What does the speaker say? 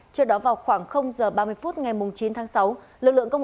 trước đó vào khoảng h ba mươi phút ngày chín tháng sáu lực lượng công an đã đưa ra một bản tin cho bảo